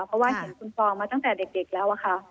เพราะว่าเห็นคุณปองมาตั้งแต่เด็กแล้วค่ะ